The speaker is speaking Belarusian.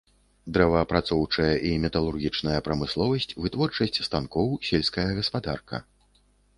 Дрэваапрацоўчая і металургічная прамысловасць, вытворчасць станкоў, сельская гаспадарка.